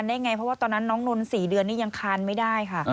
แล้วเขาว่ายังไงอ่ะ